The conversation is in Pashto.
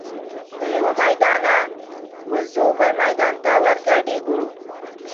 له یوه میدانه وزو بل میدان ته ور ګډیږو